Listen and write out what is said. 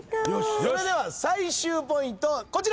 それでは最終ポイントこちら！